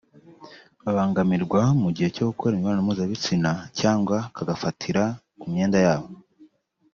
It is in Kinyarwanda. babangamirwa mu gihe cyo gukora imibonano mpuzabitsina cyangwa kagafatira ku myenda yabo